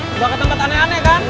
lo mau ke tempat aneh aneh kan